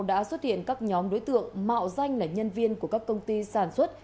đã xuất hiện các nhóm đối tượng mạo danh là nhân viên của các công ty sản xuất